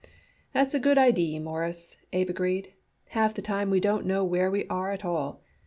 "That's a good idee, Mawruss," Abe agreed. "Half the time we don't know where we are at at all.